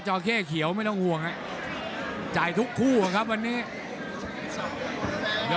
จอแค่เขียวไม่ต้องห่วงจ่ายทุกคู่อ่ะครับวันนี้